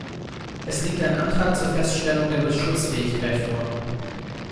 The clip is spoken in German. Es liegt ein Antrag zur Feststellung der Beschlussfähigkeit vor.